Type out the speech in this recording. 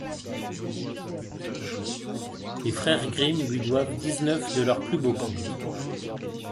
Les frères Grimm lui doivent dix-neuf de leurs plus beaux contes.